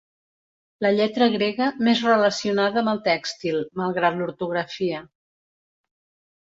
La lletra grega més relacionada amb el tèxtil, malgrat l'ortografia.